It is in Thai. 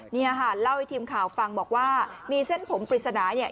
เนี่ยค่ะเล่าให้ทีมข่าวฟังบอกว่ามีเส้นผมปริศนาเนี่ย